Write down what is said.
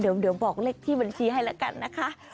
เดี๋ยวบอกเลขที่บัญชีให้แล้วกันนะคะ